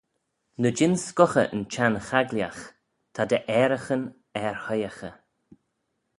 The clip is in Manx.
Ny jean scughey yn chenn chagliagh, ta dty ayraghyn er hoiaghey.